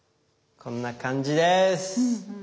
こんな感じです。